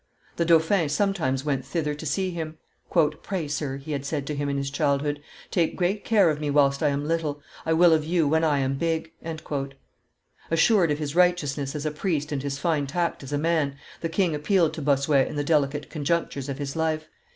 The dauphin sometimes went thither to see him. "Pray, sir," he had said to him, in his childhood, "take great care of me whilst I am little; I will of you when I am big." Assured of his righteousness as a priest and his fine tact as a man, the king appealed to Bossuet in the delicate conjunctures of his life.